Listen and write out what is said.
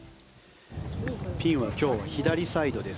ピンは今日は左サイドです。